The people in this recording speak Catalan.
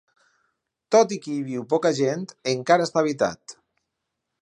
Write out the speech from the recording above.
Tot i que hi viu poca gent, encara està habitat.